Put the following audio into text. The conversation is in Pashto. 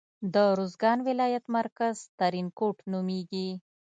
د روزګان ولایت مرکز ترینکوټ نومیږي.